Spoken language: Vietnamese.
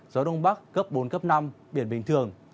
gió đông bắc cấp bốn năm biển bình thường